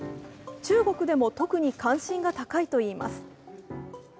中国でも特に関心が高いといいます。